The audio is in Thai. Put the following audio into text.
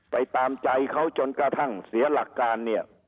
ตามใจเขาจนกระทั่งเสียหลักการเนี่ย